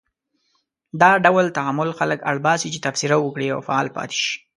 دا ډول تعامل خلک اړ باسي چې تبصره وکړي او فعال پاتې شي.